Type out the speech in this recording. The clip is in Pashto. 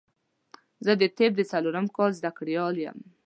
زه د طب د څلورم کال زده کړيال يم